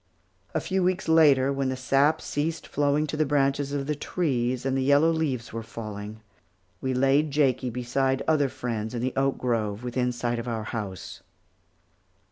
A few weeks later, when the sap ceased flowing to the branches of the trees, and the yellow leaves were falling, we laid Jakie beside other friends in the oak grove within sight of our house.